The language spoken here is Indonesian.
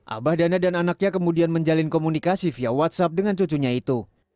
abah dana dan anaknya kemudian menjalin komunikasi via whatsapp dengan cucunya itu